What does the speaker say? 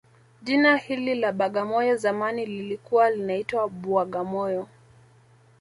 Jina hili la bagamoyo zamani lilikuwa linaitwa Bwagamoyo